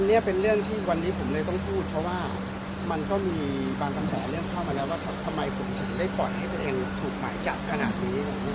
อันนี้เป็นเรื่องที่วันนี้ผมเลยต้องพูดเพราะว่ามันก็มีบางกระแสเรื่องเข้ามาแล้วว่าทำไมผมถึงได้ปล่อยให้ตัวเองถูกหมายจับขนาดนี้